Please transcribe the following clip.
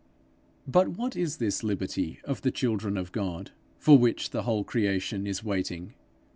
But what is this liberty of the children of God, for which the whole creation is waiting?